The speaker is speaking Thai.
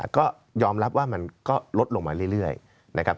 ก็ยอมรับว่ามันก็ลดลงมาเรื่อยนะครับ